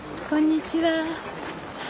こんにちは。